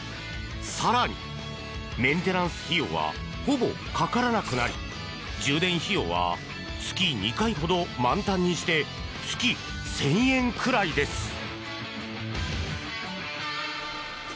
更にメンテナンス費用はほぼ、かからなくなり充電費用は月２回ほど満タンにして月１０００円くらいです。